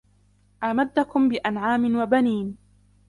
أَمَدَّكُمْ بِأَنْعَامٍ وَبَنِينَ